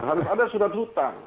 harus ada surat hutang